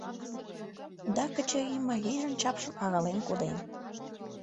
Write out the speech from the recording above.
Да, Качырий марийжын чапшым арален коден.